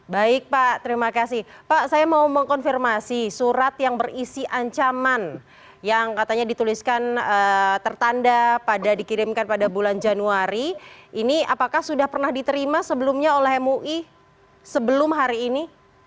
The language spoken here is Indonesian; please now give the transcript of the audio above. baik pak terima kasih pak saya mau mengkonfirmasi surat yang berisi ancaman yang katanya dituliskan tertanda pada dikirimkan pada bulan januari ini apakah sudah pernah diterima sebelumnya oleh mui sebelum hari ini